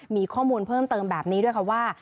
มีข้อมูลเพิ่มเติมแบบนี้ด้วยค่ะว่า